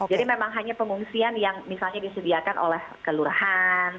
jadi memang hanya pengungsian yang misalnya disediakan oleh kelurahan